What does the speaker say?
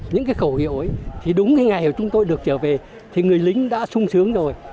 những cái khẩu hiệu ấy thì đúng cái ngày chúng tôi được trở về thì người lính đã sung sướng rồi